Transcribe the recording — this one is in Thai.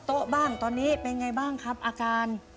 โต๊ะบ้างตอนนี้เป็นไงบ้างครับอาการ